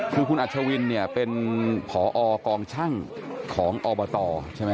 คือคุณอัชวินเนี่ยเป็นผอกองช่างของอบตใช่ไหม